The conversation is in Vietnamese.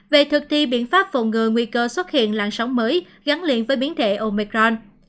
về thực thi biện pháp phòng ngừa nguy cơ xuất hiện làn sóng mới gắn liền với biến thể omecron